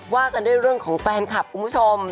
ว่ากันด้วยเรื่องของแฟนคลับคุณผู้ชม